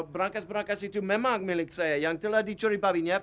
berangkas berangkas itu memang milik saya yang telah dicuri babi nyepet